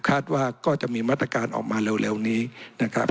ว่าก็จะมีมาตรการออกมาเร็วนี้นะครับ